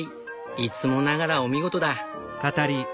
いつもながらお見事だ。